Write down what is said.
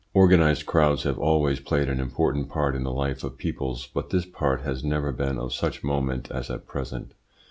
Organised crowds have always played an important part in the life of peoples, but this part has never been of such moment as at present.